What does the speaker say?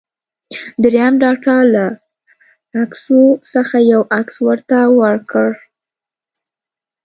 دریم ډاکټر له عکسو څخه یو عکس ورته ورکړ.